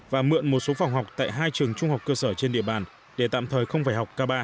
và mượn một số phòng học tại hai trường trung học cơ sở trên địa bàn để tạm thời không phải học ca ba